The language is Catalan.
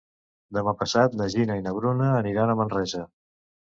Demà passat na Gina i na Bruna aniran a Manresa.